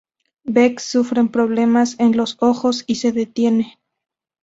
Beck sufre problemas en los ojos y se detiene.